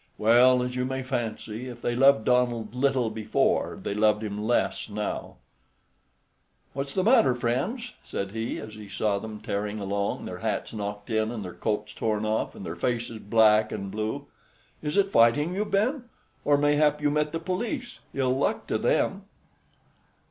Well, as you may fancy, if they loved Donald little before, they loved him less now. "What's the matter, friends?" said he, as he saw them tearing along, their hats knocked in, and their coats torn off, and their faces black and blue. "Is it fighting you've been? or mayhap you met the police, ill luck to them?"